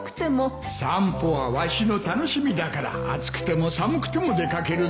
散歩はわしの楽しみだから暑くても寒くても出掛けるぞ